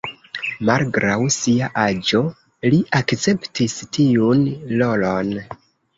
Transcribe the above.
Malgraŭ sia aĝo, li akceptis tiun rolon.